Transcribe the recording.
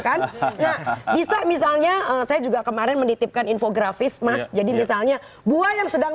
kan bisa misalnya saya juga kemarin menitipkan infografis mas jadi misalnya buah yang sedang